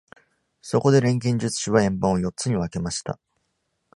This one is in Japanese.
そこで錬金術師は円盤を四つに分けました。